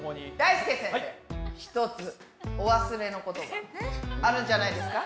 ひとつお忘れのことがあるんじゃないですか？